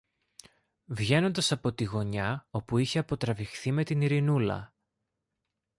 βγαίνοντας από τη γωνιά όπου είχε αποτραβηχθεί με την Ειρηνούλα.